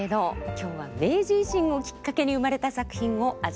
今日は明治維新をきっかけに生まれた作品を味わいます。